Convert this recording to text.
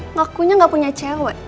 ngakunya gak punya cewek